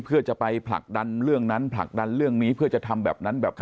เพื่อจะไปผลักดันเรื่องนั้นผลักดันเรื่องนี้เพื่อจะทำแบบนั้นแบบนี้